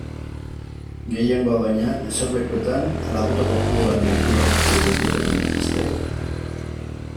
Gehiengoa baina, eserlekutan ala boto kopuruan lortu behar dute independentistek?